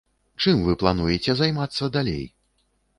Чым вы плануеце займацца далей?